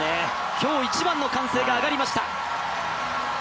今日一番の歓声が上がりました。